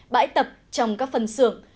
bãi tập trong các phần xưởng